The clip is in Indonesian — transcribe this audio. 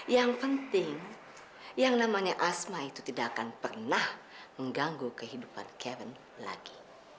yang penting yang namanya asma itu tidak akan pernah mengganggu kehidupan kevin lagi